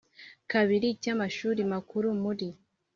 kabiri cy Amashuri Makuru muri